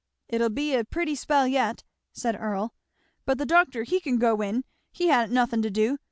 "It'll be a pretty spell yet," said Earl; "but the doctor, he can go in, he ha'n't nothin' to do.